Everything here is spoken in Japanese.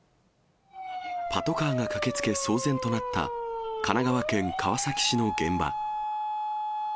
パトカーが駆けつけ、騒然となった、神奈川県川崎市の現場。